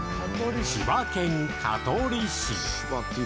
千葉県香取市。